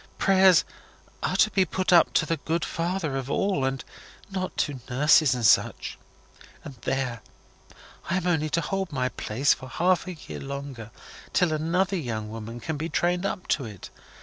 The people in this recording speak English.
Prayers are to be put up to the Good Father of All, and not to nurses and such. And there! I am only to hold my place for half a year longer, till another young woman can be trained up to it.